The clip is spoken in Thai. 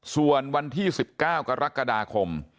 ส่วนวันที่๑๙กรกฎาคม